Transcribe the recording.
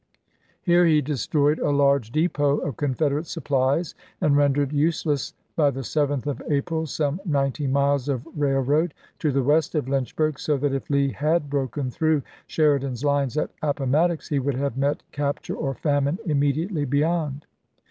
Here he destroyed a large depot of Confederate supplies, and rendered useless by the 7th of April some ninety miles of rail road to the west of Lynchburg, so that if Lee had broken through Sheridan's lines at Appomattox, he would have met capture or famine immediately April, 1865. beyond.